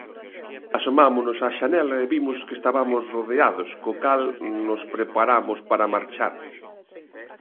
Asomámonos á xanela e vimos que estabamos rodeados co cal nos preparamos para marchar.